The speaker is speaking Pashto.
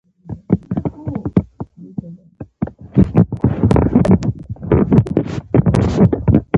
احمدشاه بابا د خلکو باور درلود.